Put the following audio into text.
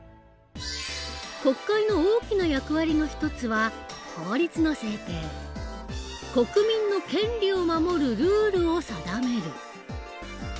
国会の大きな役割の一つは国民の権利を守るルールを定める。